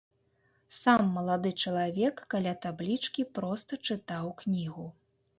Сам малады чалавек каля таблічкі проста чытаў кнігу.